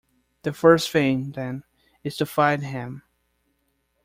The first thing, then, is to find him.